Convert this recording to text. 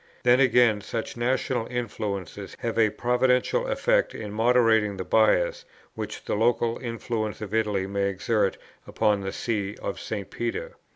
Then, again, such national influences have a providential effect in moderating the bias which the local influences of Italy may exert upon the See of St. Peter.